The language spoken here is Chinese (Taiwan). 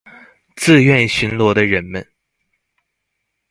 自願巡邏的人們